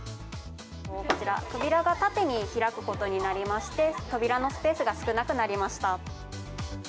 こちら、扉が縦に開くことになりまして、扉のスペースが少なくなりました。